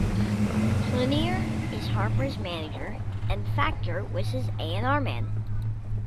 Plunier is Harper's manager and Factor was his A and R man.